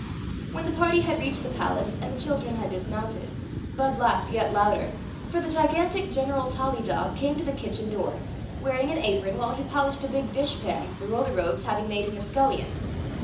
When the party had reached the palace and the children had dismounted, Bud laughed yet louder; for the gigantic General ToUydob came to the kitchen door, wearing an apron while he polished a big Story of the Magic Cloak 23' dish pan, the Roly Rogues having made him a scullion.